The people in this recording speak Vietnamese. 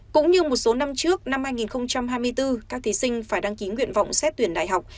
cũng như một số năm trước năm hai nghìn hai mươi bốn các thí sinh phải đăng ký nguyện vọng xét tuyển đại học